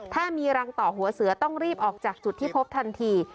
ถ้ามีรังต่อหัวเสือต้องรีบออกจากจุดที่พบทันที